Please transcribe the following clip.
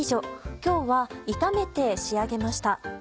今日は炒めて仕上げました。